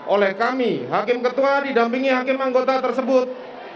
oleh kami hakim ketua didampingi hakim anggota tersebut